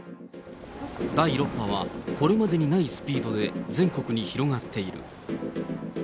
第６波は、これまでにないスピードで全国に広がっている。